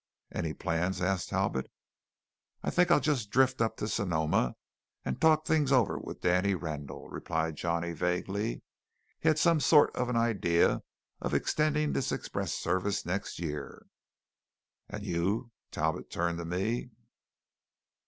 "Any plans?" asked Talbot. "I think I'll just drift up to Sonoma and talk things over with Danny Randall," replied Johnny vaguely. "He had some sort of an idea of extending this express service next year." "And you?" Talbot turned to me.